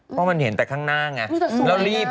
เพราะมันเห็นแต่ข้างหน้าไง